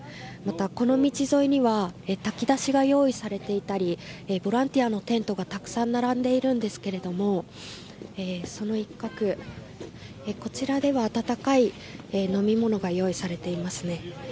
また、この道沿いには炊き出しが用意されていたりボランティアのテントがたくさん並んでいるんですけどもその一角では温かい飲み物が用意されていますね。